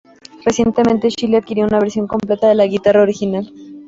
Recientemente, Shelley adquirió una versión completa de la guitarra original.